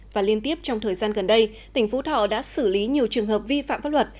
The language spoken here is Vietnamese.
và liên tiếp trong thời gian gần đây tỉnh phú thọ đã xử lý nhiều trường hợp vi phạm pháp luật